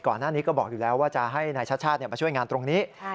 ก่อนหน้านี้ก็บอกอยู่แล้วว่าจะให้นายชาติชาติมาช่วยงานตรงนี้